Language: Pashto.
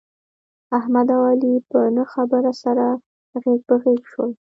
احمد او علي په نه خبره سره غېږ په غېږ شول.